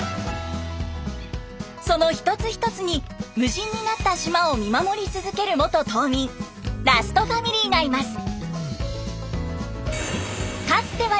その一つ一つに無人になった島を見守り続ける元島民ラストファミリーがいます。